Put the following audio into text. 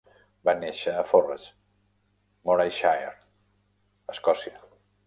Va néixer a Forres, Morayshire, Escòcia.